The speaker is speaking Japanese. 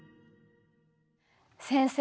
先生